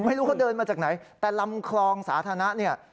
ไม่รู้เขาเดินมาจากไหนแต่ลำคลองสาธารณะเนี่ย